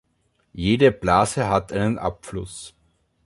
Jede Blase hatte einen Abfluss.